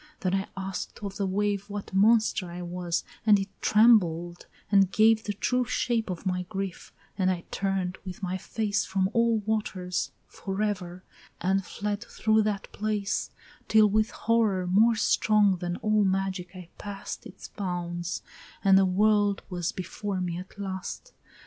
Then I ask'd of the wave, What monster I was, and it trembled and gave The true shape of my grief, and I turn'd with my face From all waters forever, and fled through that place, Till with horror more strong than all magic I pass'd Its bounds, and the world was before me at last.